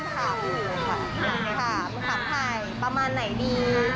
ขอตอบประมาณไหนดี